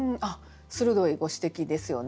鋭いご指摘ですよね。